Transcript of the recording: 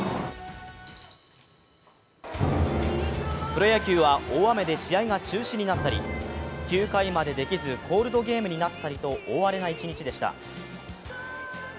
プロ野球は大雨で試合が中止になったり９回までできずコールドゲームになったりと大荒れな一日でした。